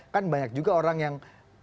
kan banyak juga orang yang